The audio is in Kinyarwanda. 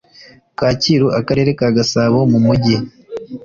kacyiru akarere ka gasabo mu mujyi